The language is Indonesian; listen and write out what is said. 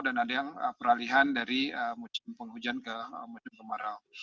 dan ada yang peralihan dari musim hujan ke musim kemarau